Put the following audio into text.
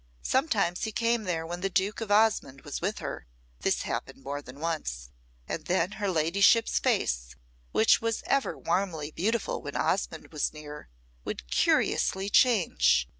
Sometimes he came there when the Duke of Osmonde was with her this happened more than once and then her ladyship's face, which was ever warmly beautiful when Osmonde was near, would curiously change.